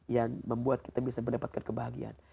yang membuat kita bisa mendapatkan kebahagiaan